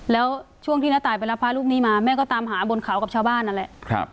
แล้วช่วงที่น้าตายไปรับพระรูปนี้มาแม่ก็ตามหาบนเขากับชาวบ้านนั่นแหละ